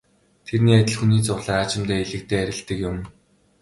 Тэрний адил хүний зовлон аажимдаа элэгдэн арилдаг юм.